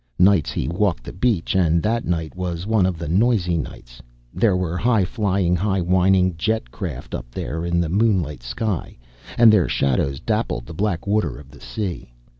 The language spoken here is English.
Nights he walked the beach, and that night was one of the noisy nights. There were high flying, high whining jet craft up there in the moonlight sky and their shadows dappled the black water of the sea.